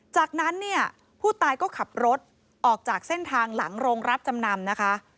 จากนั้นเนี่ยผู้ตายก็ขับรถออกจากเส้นทางหลังโรงรับจำนำนะคะ